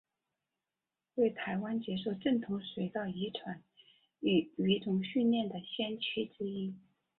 为台湾接受正统水稻遗传与育种训练的先驱之一。